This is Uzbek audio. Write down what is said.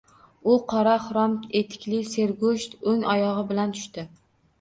U qora xrom etikli sergo‘sht o‘ng oyog‘i bilan tushdi.